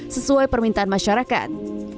sesuai permintaan masyarakat